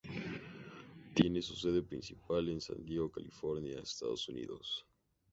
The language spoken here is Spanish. Tiene su sede principal en San Diego, California, Estados Unidos.